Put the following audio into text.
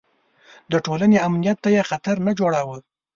د ټولنې امنیت ته یې خطر نه جوړاوه.